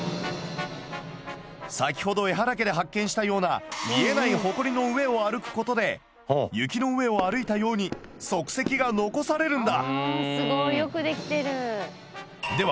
先ほどエハラ家で発見したような見えないホコリの上を歩くことで雪の上を歩いたように足跡が残されるんだ。